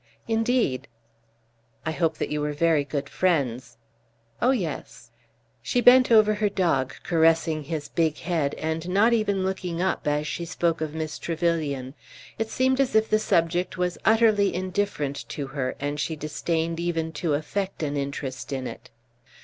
"Indeed!" "I hope that you were very good friends." "Oh, yes." She bent over her dog, caressing his big head, and not even looking up as she spoke of Miss Trevyllian. It seemed as if the subject was utterly indifferent to her, and she disdained even to affect an interest in it.